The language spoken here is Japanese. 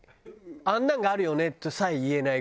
「あんなのがあるよね」とさえ言えないぐらい。